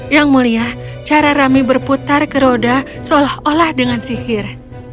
yang mulia cara rami berputar ke roda seolah olah dengan sihir